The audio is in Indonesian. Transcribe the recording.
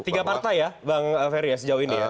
tiga partai ya bang ferry ya sejauh ini ya